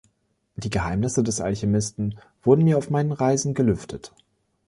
Die Geheimnisse des Alchemisten wurden mir auf meinen Reisen gelüftet.